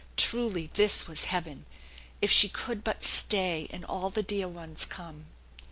Truly, this was heaven ! If she could but stay, and all the dear ones come!